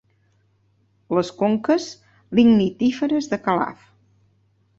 Les conques lignitíferes de Calaf.